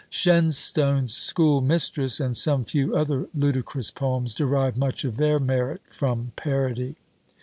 Shenstone's "School Mistress," and some few other ludicrous poems, derive much of their merit from parody.